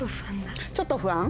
ちょっと不安？